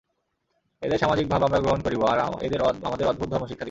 এদের সামাজিক ভাব আমরা গ্রহণ করিব, আর এদের আমাদের অদ্ভুত ধর্ম শিক্ষা দিব।